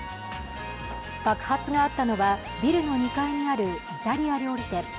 爆発があったのはビルの２階にあるイタリア料理店。